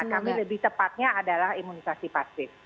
kami lebih tepatnya adalah imunisasi pasif